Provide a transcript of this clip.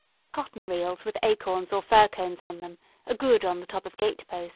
Cotton reels with acorns or fir cones on them are good on the top of gate posts.